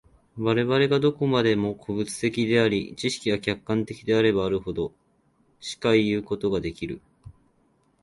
我々がどこまでも個物的であり、知識が客観的であればあるほど、しかいうことができる。